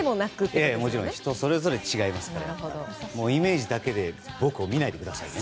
それは人それぞれ違いますからイメージだけで僕を見ないでください。